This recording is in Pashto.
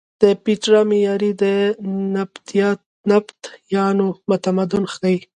د پیترا معمارۍ د نبطیانو تمدن ښیې.